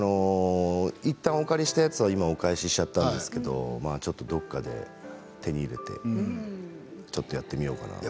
いったんお借りしたやつは今お返ししちゃったんですけどどこかで手に入れてちょっとやってみようかな。